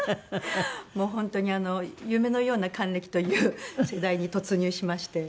もう本当に夢のような還暦という世代に突入しまして。